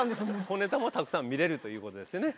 小ネタもたくさん見れるということですよね？